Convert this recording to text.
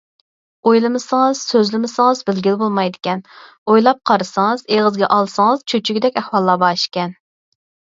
ئويلىمىسىڭىز، سۆزلىمىسىڭىز بىلگىلى بولمايدىكەن، ئويلاپ قارىسىڭىز، ئېغىزغا ئالسىڭىز چۆچۈگۈدەك ئەھۋاللار بار ئىكەن.